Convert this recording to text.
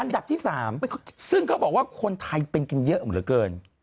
อันดับที่๓ซึ่งเขาบอกว่าคนไทยเป็นกันเยอะเหลือเกิน